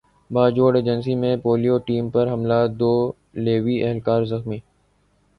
Bajaur agency میں polio team پر حملہ دو لیوی اہلکار زخمی